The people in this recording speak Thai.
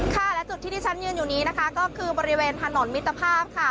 ค่ะและจุดที่ที่ฉันยืนอยู่นี้นะคะก็คือบริเวณถนนมิตรภาพค่ะ